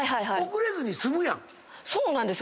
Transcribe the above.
遅れずに済むやん。